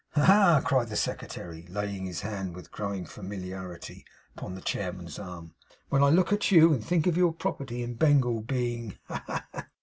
'Ha, ha,' cried the secretary, laying his hand, with growing familiarity, upon the chairman's arm. 'When I look at you, and think of your property in Bengal being ha, ha, ha!